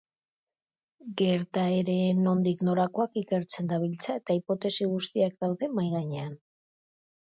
Gertaeren nondik norakoak ikertzen dabiltza eta hipotesi guztiak daude mahai gainean.